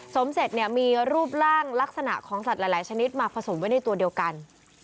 สมเสร็จเนี่ยมีรูปร่างลักษณะของสัตว์หลายชนิดมาผสมไว้ในตัวเดียวกัน